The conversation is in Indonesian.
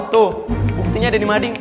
tuh buktinya ada di mading